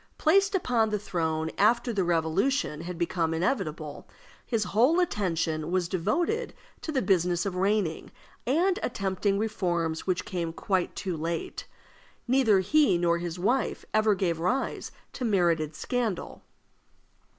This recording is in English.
Placed upon the throne after the Revolution had become inevitable, his whole attention was devoted to the business of reigning, and attempting reforms which came quite too late. Neither he nor his wife ever gave rise to merited scandal.